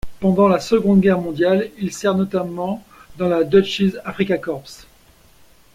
Pendant la Seconde Guerre mondiale, il sert notamment dans la Deutsches Afrikakorps.